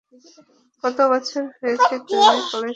কতো বছর হয়েছে তুমি কলেজ পাশ করেছ?